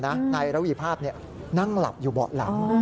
นายระวีภาพนั่งหลับอยู่เบาะหลัง